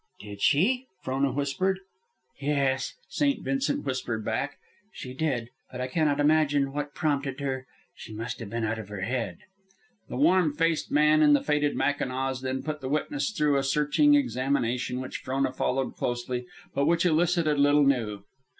"Did she?" Frona whispered. "Yes," St. Vincent whispered back, "she did. But I cannot imagine what prompted her. She must have been out of her head." The warm faced man in the faded mackinaws then put the witness through a searching examination, which Frona followed closely, but which elicited little new.